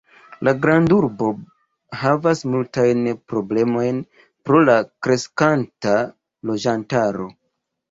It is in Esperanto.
La grandurbo havas multajn problemojn pro la kreskanta loĝantaro.